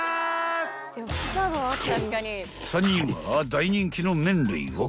［３人は大人気の麺類を］